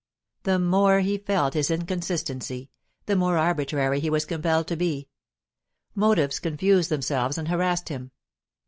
The more he felt his inconsistency, the more arbitrary he was compelled to be. Motives confused themselves and harassed him.